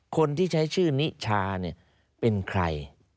คนที่ใช้ชื่อนิชาเนี่ยเป็นใคร